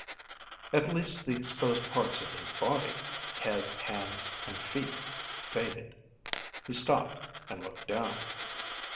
At least the exposed parts of his body head, hands, and feet faded. He stopped and looked down.